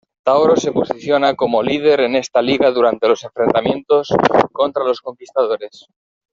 Taoro se posiciona como líder de esta liga durante los enfrentamientos contra los conquistadores.